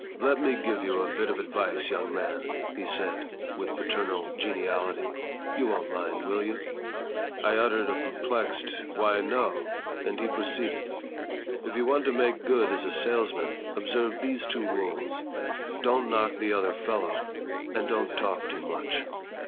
"Let me give you a bit of advice, young man," he said, with paternal geniality. "You won't mind, will you?" I uttered a perplexed, "Why, no"; and he proceeded: "If you want to make good as a salesman, observe these two rules: Don't knock the other fellow and don't talk too much."